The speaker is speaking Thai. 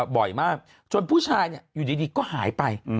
บ่อยมากจนผู้ชายอยู่ดีก็หายไป